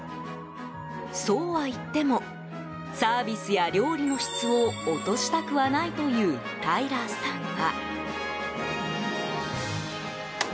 そうはいってもサービスや料理の質を落としたくはないというタイラーさんは。